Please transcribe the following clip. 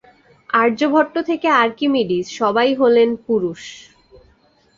আর্যভট্ট থেকে আর্কিমিডিস, সবাই হলেন পুরুষ।